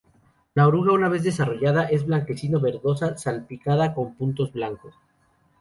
La oruga una vez desarrollada es blanquecino-verdosa, salpicada con puntos blanco.